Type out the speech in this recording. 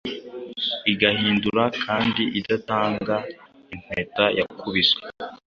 igahindura Kandi idatanga impeta yakubiswe